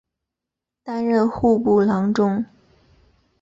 担任户部郎中。